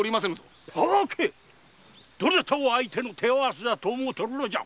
どなたを相手の手合わせだと思うておるのじゃ！